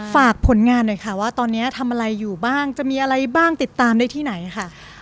ฝากผลงานหน่อยค่ะว่าตอนนี้ทำอะไรอยู่บ้างจะมีอะไรบ้างติดตามได้ที่ไหนค่ะ